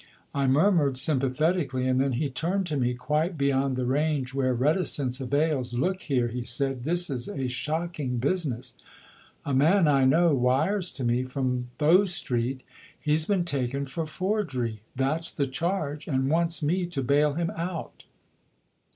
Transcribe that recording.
I murmured sympathetically, and then he turned to me, quite beyond the range where reticence avails. "Look here," he said, "this is a shocking business. A man I know wires to me from Bow Street. He's been taken for forgery that's the charge and wants me to bail him out."